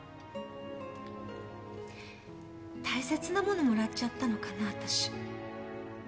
大切なものもらっちゃったのかなあたし。